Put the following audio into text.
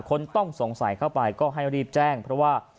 คนต้องสงสัยเข้าไปก็ให้รีบแจ้งเพราะว่า